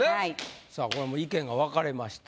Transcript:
さぁこれも意見が分かれました。